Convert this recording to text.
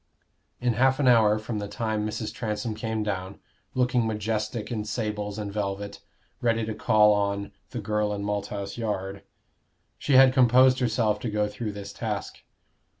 In half an hour from that time Mrs. Transome came down, looking majestic in sables and velvet, ready to call on "the girl in Malthouse Yard." She had composed herself to go through this task.